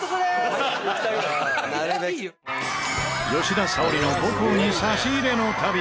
吉田沙保里の母校に差し入れの旅。